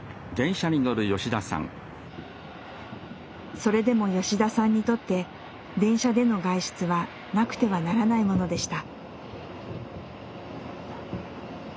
それでも吉田さんにとって電車での外出はなくてはならないものでした。